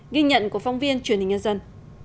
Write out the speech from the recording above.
ghi nhận của phong viên truyền hình nhân dân